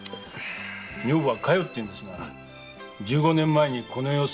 女房は“加代”っていうんですが十五年前この世を去りました。